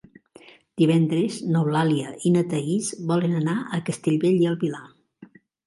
Divendres n'Eulàlia i na Thaís volen anar a Castellbell i el Vilar.